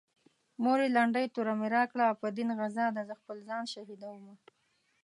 مورې لنډۍ توره مې راکړه په دين غزا ده زه خپل ځان شهيدومه